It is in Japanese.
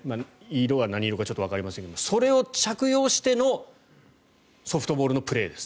色が何色かはわかりませんがそれを着用してのソフトボールのプレーです。